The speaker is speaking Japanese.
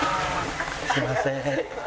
すいません。